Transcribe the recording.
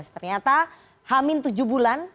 ternyata hamil tujuh bulan